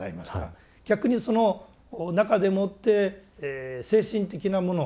逆にその中でもって精神的なもの